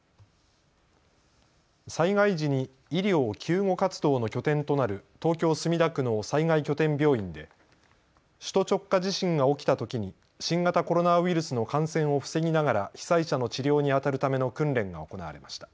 災害時に医療・救護活動の拠点となる東京墨田区の災害拠点病院で首都直下地震が起きたときに新型コロナウイルスの感染を防ぎながら被災者の治療にあたるための訓練が行われました。